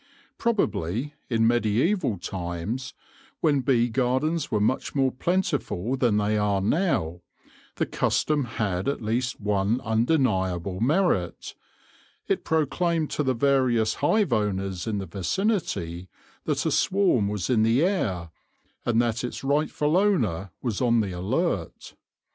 Prob ably, in mediaeval times, when bee gardens were much more plentiful than they are now, the custom had at least one undeniable merit : it proclaimed to the various hive owners in the vicinity that a swarm was in the air, and that its rightful owner was on the alert.